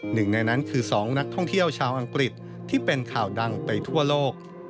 หนึ่งในนั้นคือ๒นักท่องเที่ยวชาวอังกฤษที่เป็นข่าวดังไปทั่วโลก